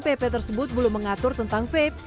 pp tersebut belum mengatur tentang vape